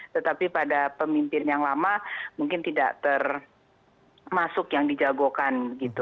tetapi pada pemimpin yang lama mungkin tidak termasuk yang dijagokan